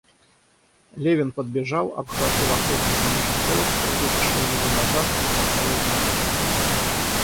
Левин подбежал, обхватил охотника ниже пояса, вытащил его назад и поставил на ноги.